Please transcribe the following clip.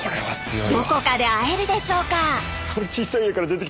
どこかで会えるでしょうか？